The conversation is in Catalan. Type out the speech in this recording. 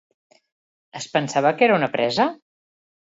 Es pensava que era una presa?